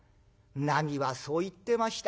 なみはそう言ってました。